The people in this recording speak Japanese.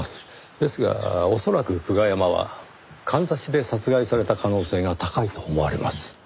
ですが恐らく久我山はかんざしで殺害された可能性が高いと思われます。